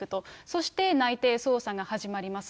そして内偵捜査が始まります。